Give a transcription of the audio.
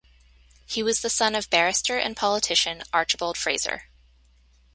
He was the son of barrister and politician Archibald Fraser.